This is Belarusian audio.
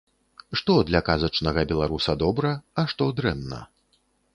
Што для казачнага беларуса добра, а што дрэнна?